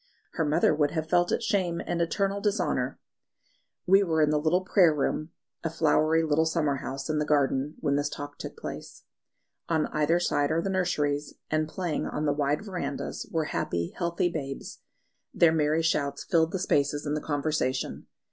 "Her mother would have felt it shame and eternal dishonour." We were in the little prayer room, a flowery little summer house in the garden, when this talk took place. On either side are the nurseries, and playing on the wide verandahs were happy, healthy babes; their merry shouts filled the spaces in the conversation.